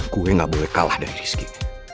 gue gak boleh kalah dari rizky